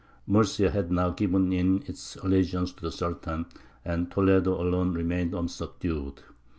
Murcia had now given in its allegiance to the Sultan, and Toledo alone remained unsubdued.